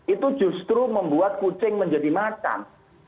itu justru membuat kucing menjadi makam